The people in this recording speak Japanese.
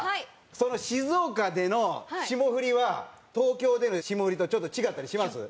その静岡での霜降りは東京での霜降りとちょっと違ったりします？